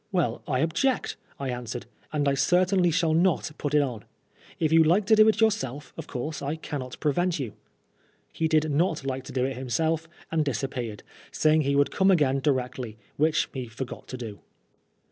"Well, I object," I answered, ^'and I certainly shall not put it on. If you like to do it yourself of course I cannot prevent you." He did not like to do it himself and disappeared, saying he would come again directly, which he forgot to do.